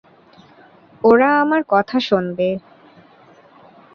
ওরা আমার কথা শোনবে।